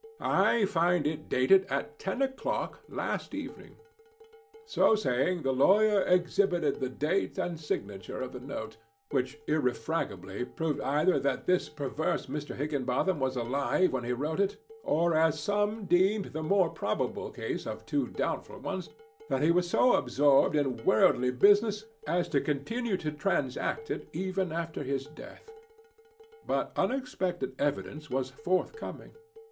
I find it dated at ten o'clock last evening." So saying, the lawyer, exhibited the date and signature of the note, which irrefragably proved either that this perverse Mr. Higginbotham was alive when he wrote it, or, as some deemed the more probable case of two doubtful ones, that he was so absorbed in worldly business as to continue to transact it even after his death. But unexpected evidence was forthcoming.